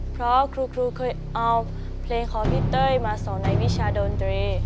เพราะครูเคยเอาเพลงของพี่เต้ยมาสอนในวิชาดนตรี